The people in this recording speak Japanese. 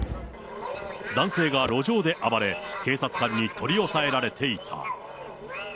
男性が路上で暴れ、警察官に取り押さえられていた。